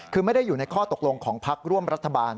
คือไม่ได้อยู่ในข้อตกลงของพักร่วมรัฐบาล